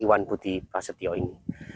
iwan budi prasetyo ini